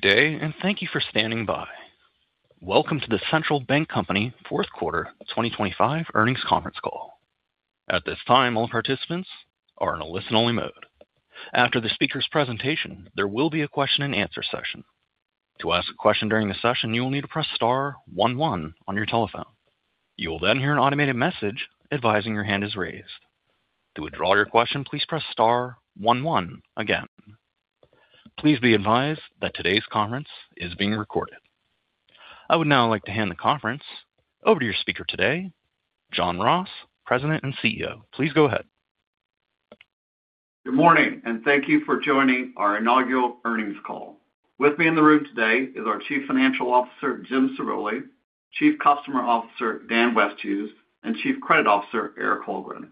Good day, and thank you for standing by. Welcome to the Central Bancompany fourth quarter 2025 earnings conference call. At this time, all participants are in a listen-only mode. After the speaker's presentation, there will be a question-and-answer session. To ask a question during the session, you will need to press star one one on your telephone. You will then hear an automated message advising your hand is raised. To withdraw your question, please press star one one again. Please be advised that today's conference is being recorded. I would now like to hand the conference over to your speaker today, John Ross, President and CEO. Please go ahead. Good morning, and thank you for joining our inaugural earnings call. With me in the room today is our Chief Financial Officer, Jim Iroli, Chief Customer Officer, Dan Westhues, and Chief Credit Officer, Eric Halgren.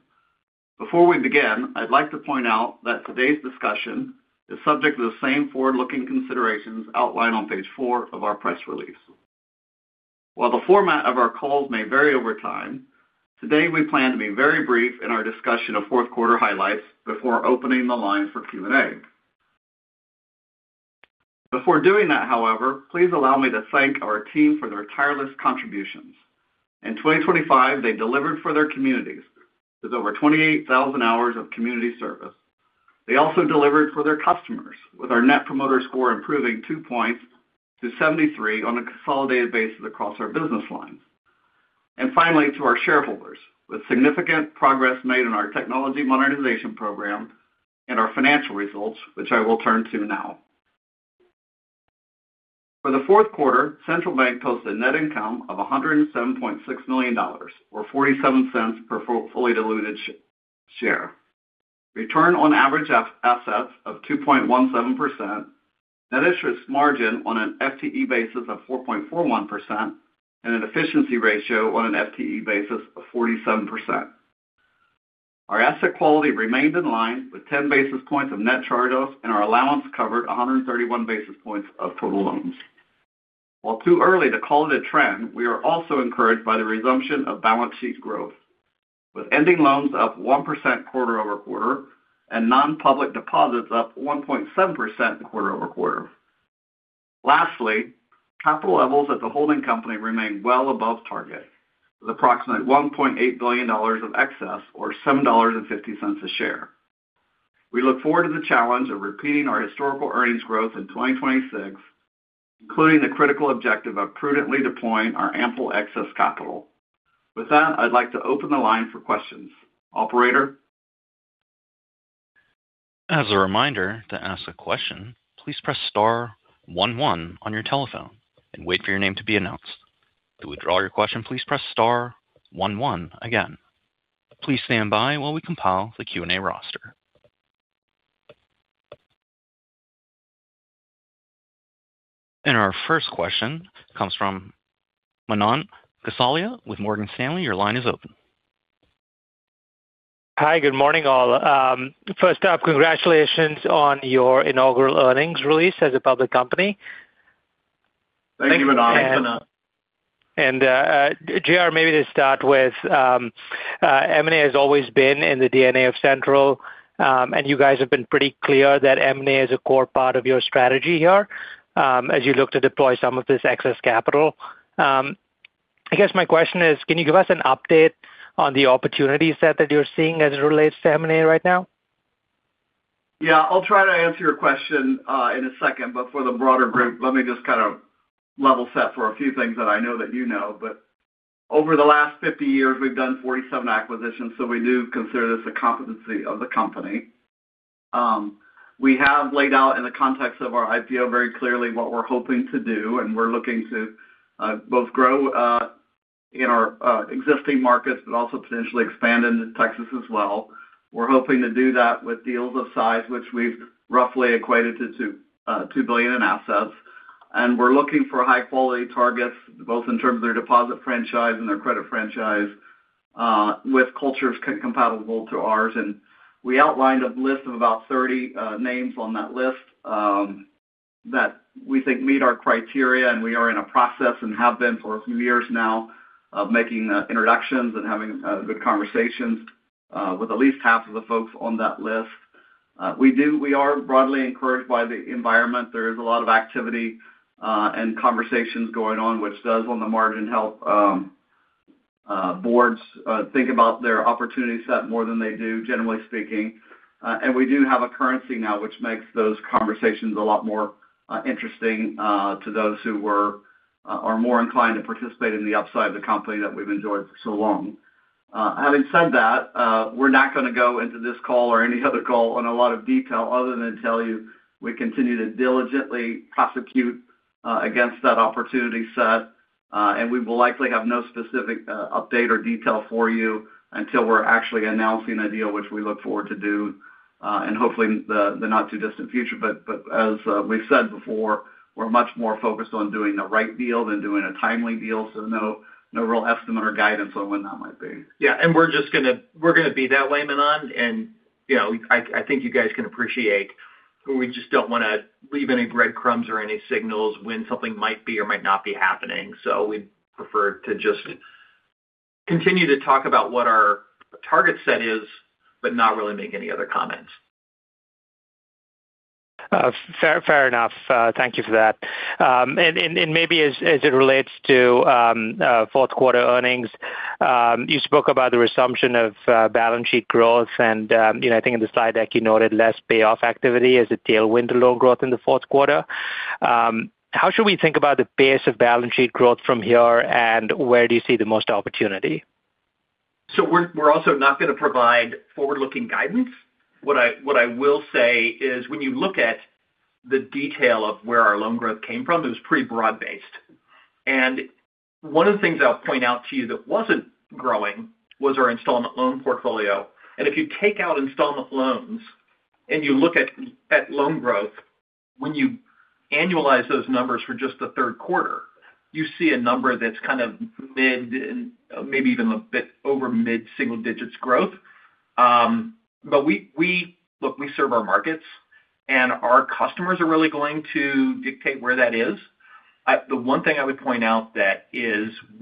Before we begin, I'd like to point out that today's discussion is subject to the same forward-looking considerations outlined on page four of our press release. While the format of our calls may vary over time, today, we plan to be very brief in our discussion of fourth quarter highlights before opening the line for Q&A. Before doing that, however, please allow me to thank our team for their tireless contributions. In 2025, they delivered for their communities with over 28,000 hours of community service. They also delivered for their customers, with our Net Promoter Score improving 2 points to 73 on a consolidated basis across our business lines. And finally, to our shareholders, with significant progress made in our technology monetization program and our financial results, which I will turn to now. For the fourth quarter, Central Bancompany posted net income of $107.6 million, or $0.47 per fully diluted share. Return on average assets of 2.17%. Net interest margin on an FTE basis of 4.41% and an efficiency ratio on an FTE basis of 47%. Our asset quality remained in line with 10 basis points of net charge-offs, and our allowance covered 131 basis points of total loans. While too early to call it a trend, we are also encouraged by the resumption of balance sheet growth, with ending loans up 1% quarter-over-quarter and non-public deposits up 1.7% quarter-over-quarter. Lastly, capital levels at the holding company remain well above target, with approximately $1.8 billion of excess or $7.50 a share. We look forward to the challenge of repeating our historical earnings growth in 2026, including the critical objective of prudently deploying our ample excess capital. With that, I'd like to open the line for questions. Operator? As a reminder, to ask a question, please press star one one on your telephone and wait for your name to be announced. To withdraw your question, please press star one one again. Please stand by while we compile the Q&A roster. Our first question comes from Manan Gosalia with Morgan Stanley. Your line is open. Hi, good morning, all. First up, congratulations on your inaugural earnings release as a public company. Thank you, Manan. And, J.R., maybe to start with, M&A has always been in the DNA of Central. You guys have been pretty clear that M&A is a core part of your strategy here, as you look to deploy some of this excess capital. I guess my question is, can you give us an update on the opportunity set that you're seeing as it relates to M&A right now? Yeah, I'll try to answer your question in a second, but for the broader group, let me just kind of level set for a few things that I know that you know. But over the last 50 years, we've done 47 acquisitions, so we do consider this a competency of the company. We have laid out in the context of our IPO, very clearly what we're hoping to do, and we're looking to both grow in our existing markets, but also potentially expand into Texas as well. We're hoping to do that with deals of size, which we've roughly equated to $2 billion in assets, and we're looking for high-quality targets, both in terms of their deposit franchise and their credit franchise, with cultures compatible to ours. We outlined a list of about 30 names on that list that we think meet our criteria, and we are in a process and have been for a few years now of making introductions and having good conversations with at least half of the folks on that list. We are broadly encouraged by the environment. There is a lot of activity and conversations going on, which does, on the margin, help boards think about their opportunity set more than they do, generally speaking. We have a currency now which makes those conversations a lot more interesting to those who are more inclined to participate in the upside of the company that we've enjoyed for so long. Having said that, we're not going to go into this call or any other call in a lot of detail other than tell you we continue to diligently prosecute against that opportunity set, and we will likely have no specific update or detail for you until we're actually announcing a deal, which we look forward to do, and hopefully in the not-too-distant future. But as we've said before, we're much more focused on doing the right deal than doing a timely deal, so no real estimate or guidance on when that might be. Yeah, we're just gonna be that way, Manan, and, you know, I think you guys can appreciate, we just don't want to leave any breadcrumbs or any signals when something might be or might not be happening. So we'd prefer to just continue to talk about what our target set is, but not really make any other comments. Fair enough. Thank you for that. And maybe as it relates to fourth quarter earnings, you spoke about the resumption of balance sheet growth and, you know, I think in the slide deck, you noted less payoff activity as a tailwind to loan growth in the fourth quarter. How should we think about the pace of balance sheet growth from here, and where do you see the most opportunity? So we're also not gonna provide forward-looking guidance. What I will say is, when you look at the detail of where our loan growth came from, it was pretty broad-based. And one of the things I'll point out to you that wasn't growing was our installment loan portfolio. And if you take out installment loans and you look at loan growth, when you annualize those numbers for just the third quarter, you see a number that's kind of mid and maybe even a bit over mid-single digits growth. But look, we serve our markets, and our customers are really going to dictate where that is. The one thing I would point out is that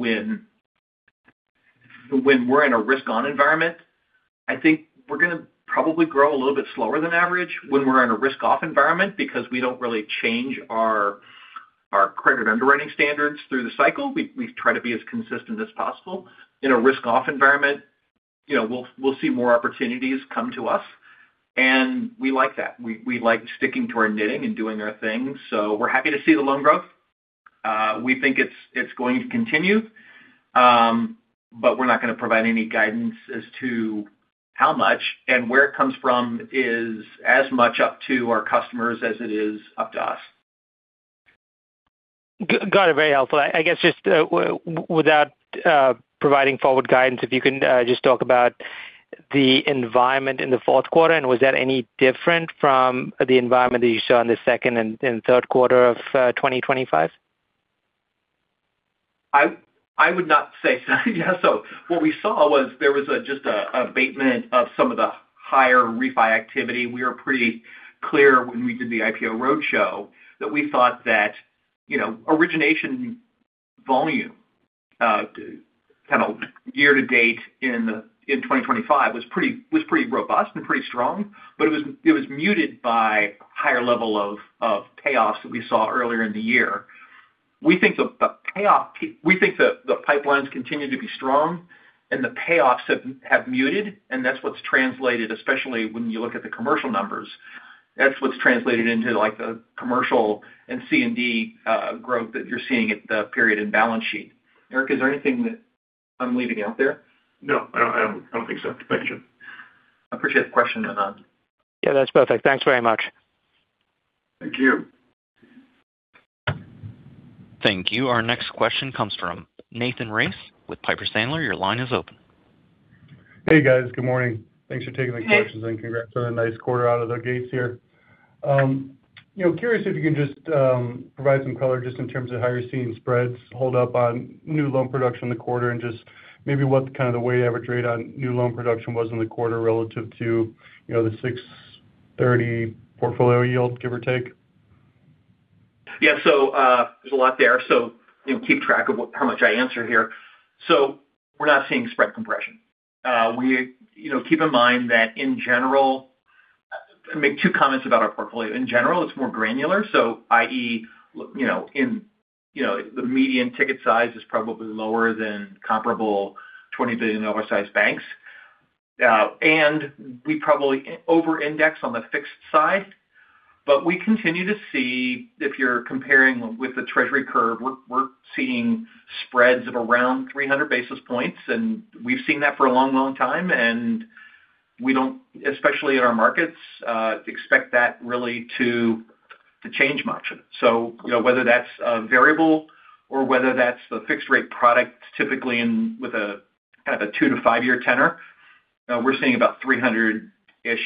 when we're in a risk-on environment, I think we're gonna probably grow a little bit slower than average when we're in a risk-off environment because we don't really change our credit underwriting standards through the cycle. We try to be as consistent as possible. In a risk-off environment, you know, we'll see more opportunities come to us, and we like that. We like sticking to our knitting and doing our thing. So we're happy to see the loan growth. We think it's going to continue, but we're not gonna provide any guidance as to how much and where it comes from is as much up to our customers as it is up to us. Got it. Very helpful. I guess just without providing forward guidance, if you can just talk about the environment in the fourth quarter, and was that any different from the environment that you saw in the second and third quarter of 2025? I would not say so. Yeah, so what we saw was there was just an abatement of some of the higher refi activity. We were pretty clear when we did the IPO roadshow that we thought that, you know, origination volume kind of year to date in 2025 was pretty robust and pretty strong, but it was muted by higher level of payoffs that we saw earlier in the year. We think the pipelines continue to be strong and the payoffs have muted, and that's what's translated, especially when you look at the commercial numbers. That's what's translated into, like, the commercial and C&D growth that you're seeing at the period end balance sheet. Eric, is there anything that I'm leaving out there? No, I don't, I don't think so. Thank you. Appreciate the question, Manan. Yeah, that's perfect. Thanks very much. Thank you. Thank you. Our next question comes from Nathan Race with Piper Sandler. Your line is open. Hey, guys. Good morning. Thanks for taking the questions- Hey. Congrats on a nice quarter out of the gates here. You know, curious if you can just provide some color just in terms of how you're seeing spreads hold up on new loan production in the quarter and just maybe what kind of the weighted average rate on new loan production was in the quarter relative to, you know, the 6.30 portfolio yield, give or take? Yeah. So, there's a lot there, so, you know, keep track of what, how much I answer here. So we're not seeing spread compression. You know, keep in mind that in general... I'll make two comments about our portfolio. In general, it's more granular, so i.e., you know, in, you know, the median ticket size is probably lower than comparable 20 billion oversized banks. And we probably over-index on the fixed side, but we continue to see if you're comparing with the Treasury curve, we're seeing spreads of around 300 basis points, and we've seen that for a long, long time, and we don't, especially in our markets, expect that really to change much. So, you know, whether that's a variable or whether that's the fixed-rate product, typically in with a kind of a 2-5-year tenor, we're seeing about 300-ish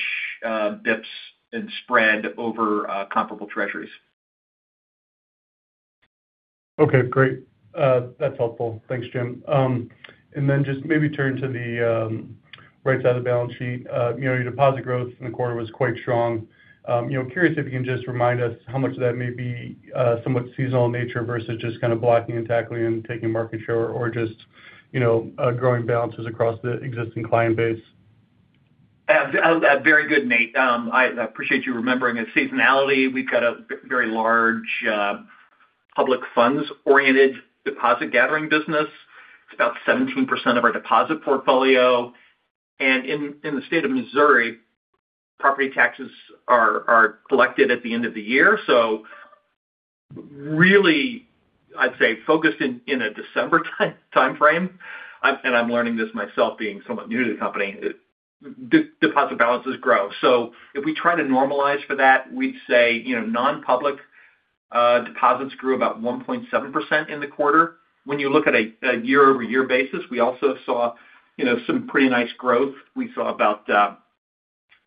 bps in spread over comparable Treasuries. Okay, great. That's helpful. Thanks, Jim. And then just maybe turn to the right side of the balance sheet. You know, your deposit growth in the quarter was quite strong. You know, curious if you can just remind us how much of that may be somewhat seasonal in nature versus just kind of blocking and tackling and taking market share or just, you know, growing balances across the existing client base. Very good, Nate. I appreciate you remembering the seasonality. We've got a very large, public funds-oriented deposit gathering business. It's about 17% of our deposit portfolio. And in the state of Missouri, property taxes are collected at the end of the year. So really, I'd say focused in a December timeframe, and I'm learning this myself, being somewhat new to the company, deposit balances grow. So if we try to normalize for that, we'd say, you know, non-public deposits grew about 1.7% in the quarter. When you look at a year-over-year basis, we also saw, you know, some pretty nice growth. We saw about,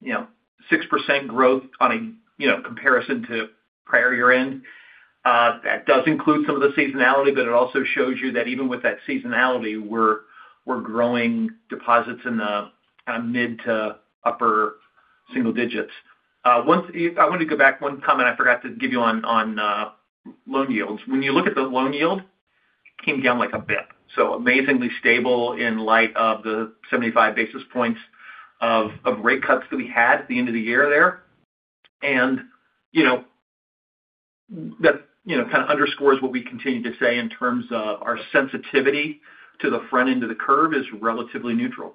you know, 6% growth on a, you know, comparison to prior year-end. That does include some of the seasonality, but it also shows you that even with that seasonality, we're growing deposits in the mid to upper single digits. I wanted to go back, one comment I forgot to give you on loan yields. When you look at the loan yield, it came down like a bit, so amazingly stable in light of the 75 basis points of rate cuts that we had at the end of the year there. You know, that kind of underscores what we continue to say in terms of our sensitivity to the front end of the curve is relatively neutral.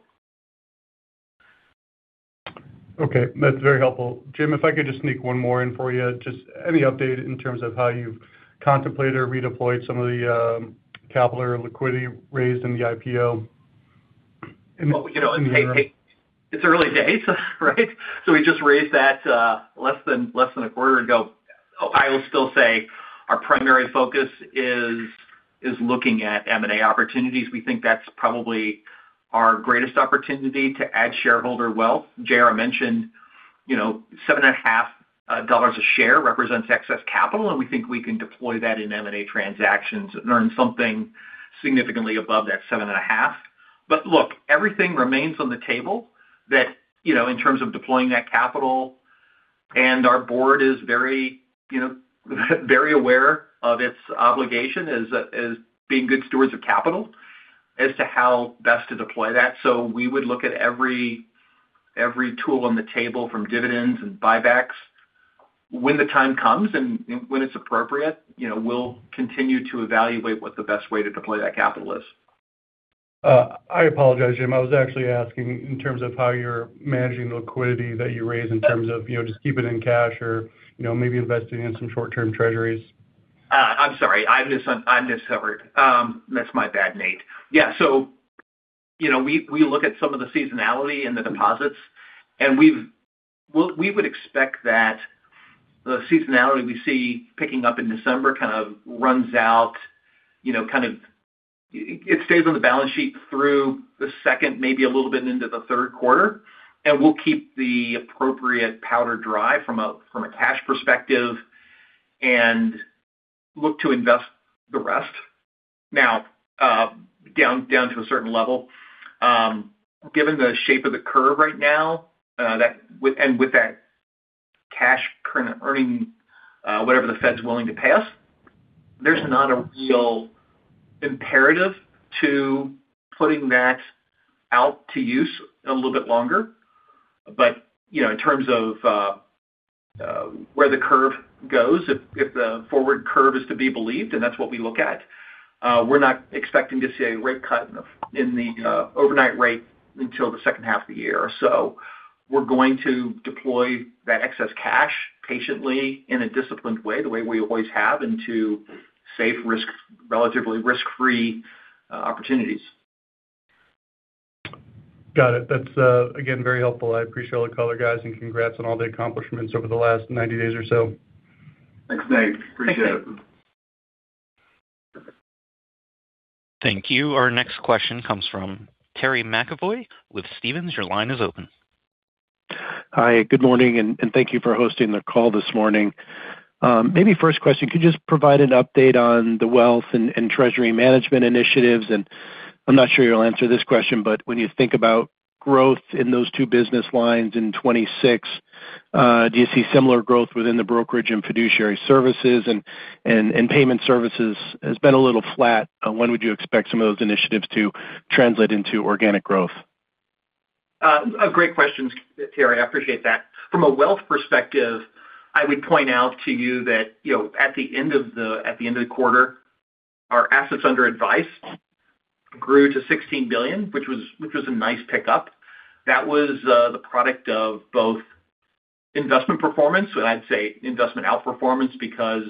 Okay, that's very helpful. Jim, if I could just sneak one more in for you. Just any update in terms of how you've contemplated or redeployed some of the capital or liquidity raised in the IPO? Well, you know, hey, it's early days, right? So we just raised that less than a quarter ago. I will still say our primary focus is looking at M&A opportunities. We think that's probably our greatest opportunity to add shareholder wealth. J.R. mentioned, you know, $7.5 a share represents excess capital, and we think we can deploy that in M&A transactions and earn something significantly above that $7.5. But look, everything remains on the table that, you know, in terms of deploying that capital, and our board is very aware of its obligation as being good stewards of capital as to how best to deploy that. So we would look at every tool on the table from dividends and buybacks. When the time comes and when it's appropriate, you know, we'll continue to evaluate what the best way to deploy that capital is. I apologize, Jim. I was actually asking in terms of how you're managing the liquidity that you raised in terms of, you know, just keep it in cash or, you know, maybe investing in some short-term Treasuries. I'm sorry. I misheard. That's my bad, Nate. Yeah, so, you know, we look at some of the seasonality in the deposits, and we would expect that the seasonality we see picking up in December kind of runs out, you know, kind of. It stays on the balance sheet through the second, maybe a little bit into the third quarter. And we'll keep the appropriate powder dry from a cash perspective and look to invest the rest. Now, down to a certain level, given the shape of the curve right now, with that cash currently earning whatever the Fed's willing to pay us, there's not a real imperative to putting that out to use a little bit longer. You know, in terms of where the curve goes, if the forward curve is to be believed, and that's what we look at, we're not expecting to see a rate cut in the overnight rate until the second half of the year. We're going to deploy that excess cash patiently in a disciplined way, the way we always have, into safe risk, relatively risk-free opportunities. Got it. That's, again, very helpful. I appreciate all the color, guys, and congrats on all the accomplishments over the last 90 days or so. Thanks, Nate. Appreciate it. Thank you. Our next question comes from Terry McEvoy with Stephens. Your line is open. Hi, good morning, and thank you for hosting the call this morning. Maybe first question, could you just provide an update on the wealth and treasury management initiatives? I'm not sure you'll answer this question, but when you think about growth in those two business lines in 2026, do you see similar growth within the brokerage and fiduciary services and payment services has been a little flat. When would you expect some of those initiatives to translate into organic growth? A great question, Terry. I appreciate that. From a wealth perspective, I would point out to you that, you know, at the end of the quarter, our assets under advice grew to $16 billion, which was a nice pickup. That was the product of both investment performance, and I'd say investment outperformance, because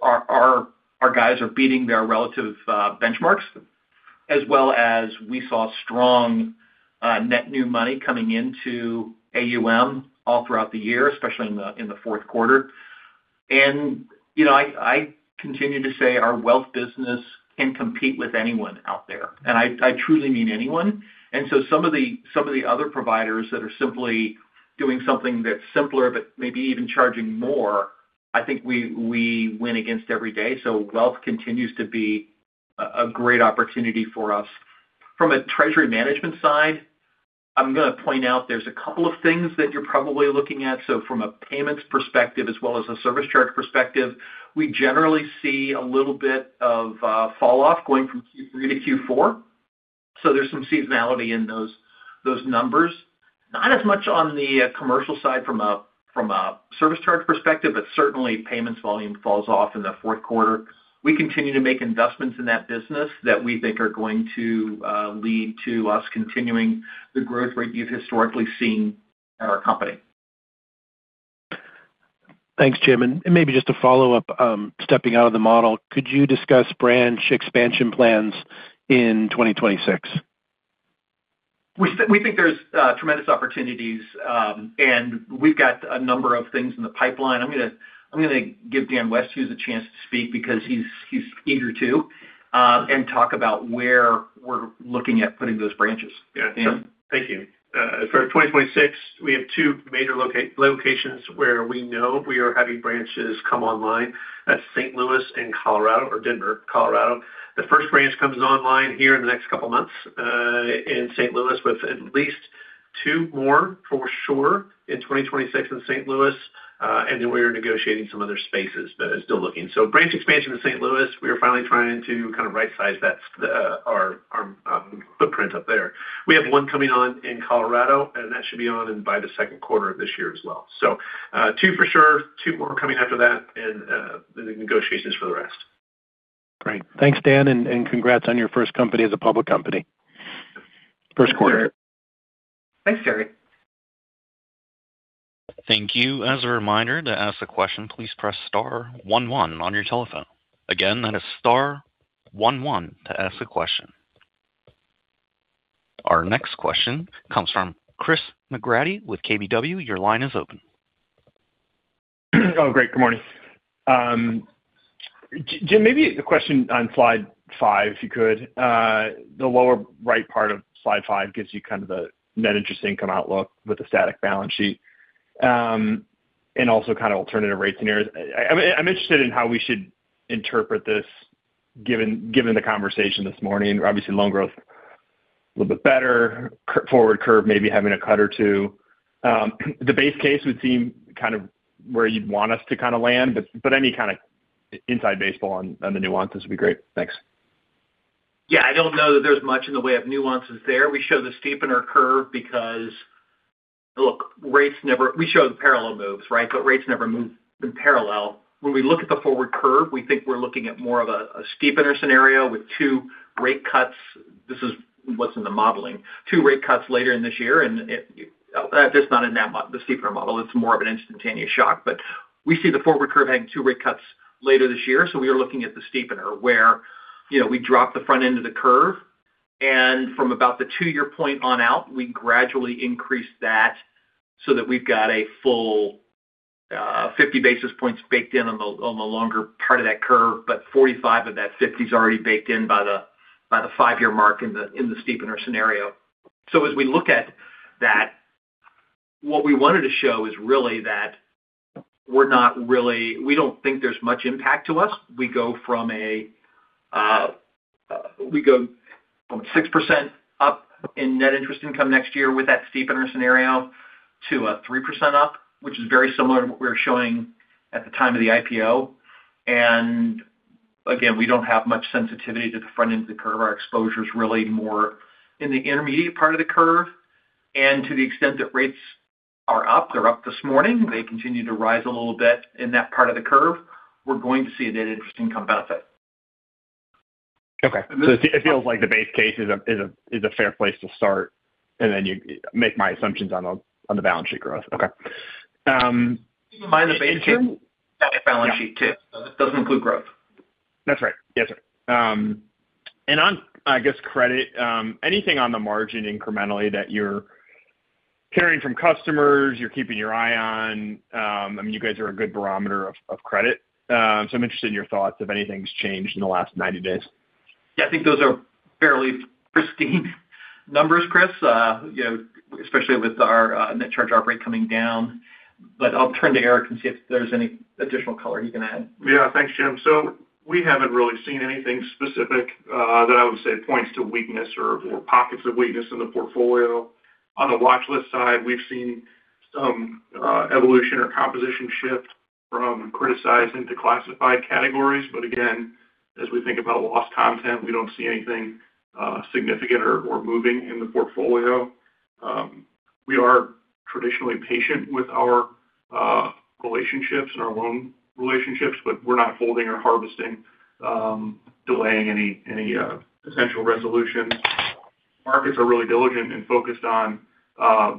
our guys are beating their relative benchmarks, as well as we saw strong net new money coming into AUM all throughout the year, especially in the fourth quarter. And, you know, I continue to say our wealth business can compete with anyone out there, and I truly mean anyone. And so some of the other providers that are simply doing something that's simpler, but maybe even charging more, I think we win against every day. So wealth continues to be a great opportunity for us. From a treasury management side, I'm gonna point out there's a couple of things that you're probably looking at. So from a payments perspective, as well as a service charge perspective, we generally see a little bit of falloff going from Q3 to Q4. So there's some seasonality in those numbers. Not as much on the commercial side from a service charge perspective, but certainly payments volume falls off in the fourth quarter. We continue to make investments in that business that we think are going to lead to us continuing the growth rate you've historically seen at our company. Thanks, Jim. And maybe just to follow up, stepping out of the model, could you discuss branch expansion plans in 2026? We think there's tremendous opportunities, and we've got a number of things in the pipeline. I'm gonna give Dan Westhues here the chance to speak because he's eager to talk about where we're looking at putting those branches. Yeah. Thank you. For 2026, we have two major locations where we know we are having branches come online. That's St. Louis and Colorado or Denver, Colorado. The first branch comes online here in the next couple of months in St. Louis, with at least two more for sure in 2026 in St. Louis. And then we are negotiating some other spaces, but still looking. So branch expansion in St. Louis, we are finally trying to kind of right size that, our footprint up there. We have one coming online in Colorado, and that should be online by the second quarter of this year as well. So, two for sure, two more coming after that, and the negotiations for the rest. Great. Thanks, Dan, and congrats on your first quarter as a public company. Thanks, Terry. Thank you. As a reminder, to ask a question, please press star one one on your telephone. Again, that is star one one to ask a question. Our next question comes from Chris McGraty with KBW. Your line is open. Oh, great. Good morning. Jim, maybe a question on Slide 5, if you could. The lower right part of Slide 5 gives you kind of the net interest income outlook with the static balance sheet, and also kind of alternative rate scenarios. I'm interested in how we should interpret this, given the conversation this morning. Obviously, loan growth a little bit better, current forward curve, maybe having a cut or two. The base case would seem kind of where you'd want us to kind of land, but any kind of inside baseball on the nuances would be great. Thanks. Yeah, I don't know that there's much in the way of nuances there. We show the steepener curve because, look, rates never—we show the parallel moves, right? But rates never move in parallel. When we look at the forward curve, we think we're looking at more of a steepener scenario with two rate cuts. This is what's in the modeling. Two rate cuts later in this year, and it's just not in that mode—the steepener model. It's more of an instantaneous shock. But we see the forward curve having 2 rate cuts later this year, so we are looking at the steepener, where, you know, we drop the front end of the curve, and from about the 2-year point on out, we gradually increase that, so that we've got a full 50 basis points baked in on the, on the longer part of that curve, but 45 of that 50 is already baked in by the, by the 5-year mark in the, in the steepener scenario. So as we look at that, what we wanted to show is really that we're not really, we don't think there's much impact to us. We go from 6% up in net interest income next year with that steepener scenario to a 3% up, which is very similar to what we were showing at the time of the IPO. And again, we don't have much sensitivity to the front end of the curve. Our exposure is really more in the intermediate part of the curve. And to the extent that rates are up, they're up this morning, they continue to rise a little bit in that part of the curve, we're going to see a net interest income benefit. Okay. So it feels like the base case is a fair place to start, and then you make my assumptions on the balance sheet growth. Okay. Keep in mind, the base case balance sheet, too, so it doesn't include growth. That's right. Yes, sir. And on, I guess, credit, anything on the margin incrementally that you're hearing from customers, you're keeping your eye on? I mean, you guys are a good barometer of credit. So I'm interested in your thoughts, if anything's changed in the last 90 days. Yeah, I think those are fairly pristine numbers, Chris. You know, especially with our net charge-off rate coming down. But I'll turn to Eric and see if there's any additional color he can add. Yeah. Thanks, Jim. So we haven't really seen anything specific that I would say points to weakness or pockets of weakness in the portfolio. On the watchlist side, we've seen some evolution or composition shift from criticized into classified categories. But again, as we think about loss content, we don't see anything significant or moving in the portfolio. We are traditionally patient with our relationships and our loan relationships, but we're not holding or harvesting, delaying any potential resolution. Markets are really diligent and focused on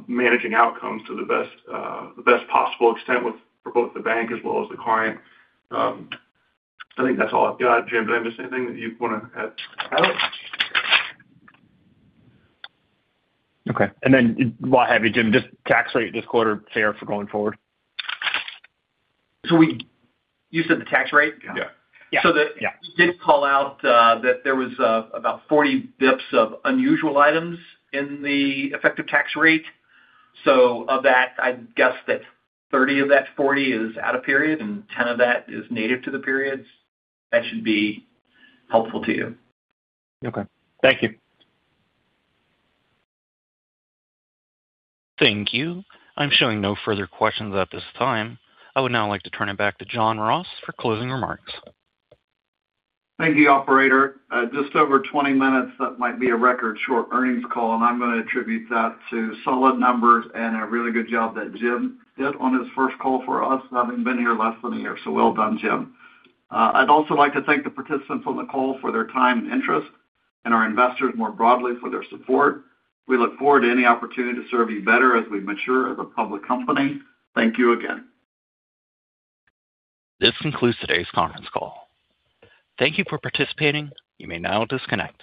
managing outcomes to the best possible extent with—for both the bank as well as the client. I think that's all I've got, Jim. Did I miss anything that you'd want to add? Okay. And then while I have you, Jim, just tax rate this quarter, fair for going forward? So you said the tax rate? Yeah. Yeah. Yeah. So, we did call out that there was about 40 bps of unusual items in the effective tax rate. So of that, I'd guess that 30 bps of that 40 bps is out of period, and 10 bps of that is native to the periods. That should be helpful to you. Okay. Thank you. Thank you. I'm showing no further questions at this time. I would now like to turn it back to John Ross for closing remarks. Thank you, operator. Just over 20 minutes, that might be a record short earnings call, and I'm going to attribute that to solid numbers and a really good job that Jim did on his first call for us, having been here less than a year. So well done, Jim. I'd also like to thank the participants on the call for their time and interest, and our investors more broadly for their support. We look forward to any opportunity to serve you better as we mature as a public company. Thank you again. This concludes today's conference call. Thank you for participating. You may now disconnect.